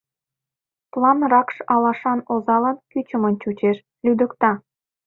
План ракш алашан озалан кӱчымын чучеш, лӱдыкта.